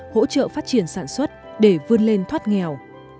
hỗ trợ phát triển sản xuất để vươn lên thoát nghèo